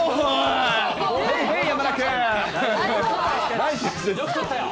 ナイスです。